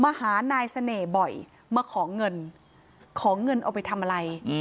มาหานายเสน่ห์บ่อยมาขอเงินขอเงินเอาไปทำอะไร